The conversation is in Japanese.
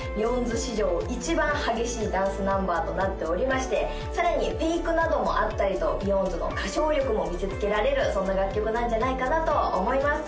史上一番激しいダンスナンバーとなっておりましてさらにフェイクなどもあったりとＢＥＹＯＯＯＯＯＮＤＳの歌唱力も見せつけられるそんな楽曲なんじゃないかなと思います